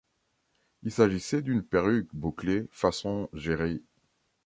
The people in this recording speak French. Il s'agissait d'une perruque bouclée façon Jheri.